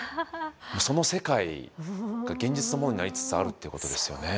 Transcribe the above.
その世界が現実のものになりつつあるということですよね。